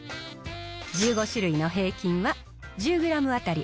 １５種類の平均は１０グラム当たり